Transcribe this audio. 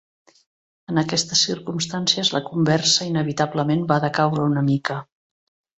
En aquestes circumstàncies, la conversa inevitablement va decaure una mica.